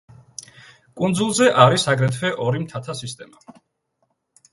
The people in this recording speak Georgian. კუნძულზე არის აგრეთვე ორი მთათა სისტემა.